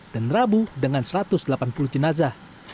dan rabu dengan satu ratus delapan puluh jenazah